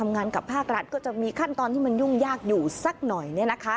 งานกับภาครัฐก็จะมีขั้นตอนที่มันยุ่งยากอยู่สักหน่อยเนี่ยนะคะ